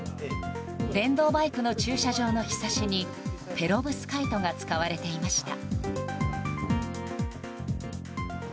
電動バイクの駐車場のひさしにペロブスカイトが使われていました。